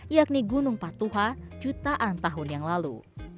yakni gunung patuha jutaan tahun yang lalu